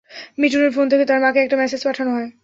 মিঠুনের phone থেকে তার মাকে একটা মেসেজ পাঠানো হয়।